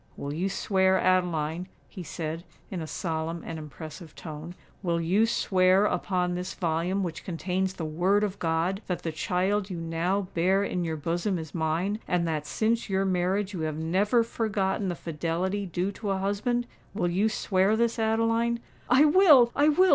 "Will you swear, Adeline," he said, in a solemn and impressive tone,—"will you swear upon this volume which contains the Word of God, that the child you now bear in your bosom is mine, and that since your marriage you have never forgotten the fidelity due to a husband? Will you swear this, Adeline?" "I will—I will!"